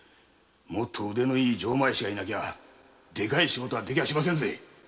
腕のいい錠前師がいなきゃでかい仕事はできませんぜ。